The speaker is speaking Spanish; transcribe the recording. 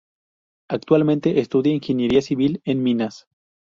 Actualmente estudia ingeniería civil en minas.